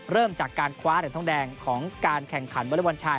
เริ่มจากการคว้าเหรียญทองแดงของการแข่งขันวอเล็กบอลชาย